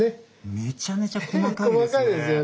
めちゃめちゃ細かいですね。